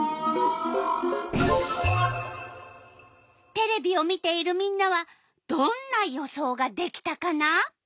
テレビを見ているみんなはどんな予想ができたかな？